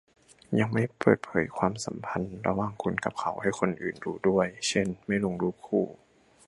ยังไม่เปิดเผยความสัมพันธ์ระหว่างคุณกับเขาให้คนอื่นรู้ด้วย เช่น ไม่ลงรูปคู่